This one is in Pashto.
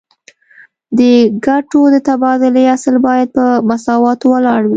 د ګټو د تبادلې اصل باید په مساواتو ولاړ وي